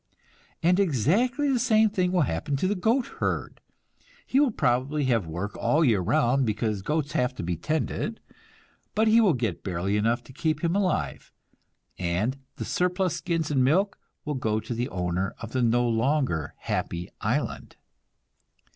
And exactly the same thing will happen to the goat herd. He will probably have work all the year round, because goats have to be tended, but he will get barely enough to keep him alive, and the surplus skins and milk will go to the owner of the no longer happy island.